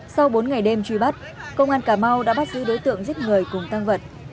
sau bốn ngày đêm truy bắt công an cà mau đã bắt giữ đối tượng giết người cùng tăng vật